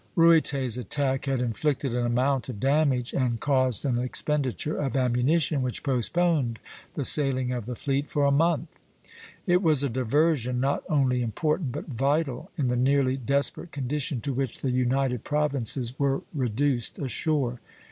Ruyter's attack had inflicted an amount of damage, and caused an expenditure of ammunition, which postponed the sailing of the fleet for a month; it was a diversion, not only important, but vital in the nearly desperate condition to which the United Provinces were reduced ashore.